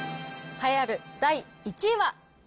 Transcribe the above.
栄えある第１位は。